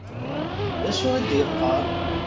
D acu i d-yeqqaṛ?